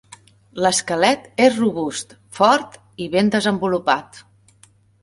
L'esquelet és robust, fort i ben desenvolupat.